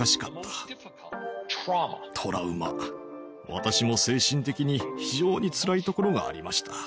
私も精神的に非常につらいところがありました。